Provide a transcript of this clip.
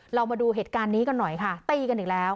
เรามาดูเหตุการณ์นี้กันหน่อยค่ะตีกันอีกแล้ว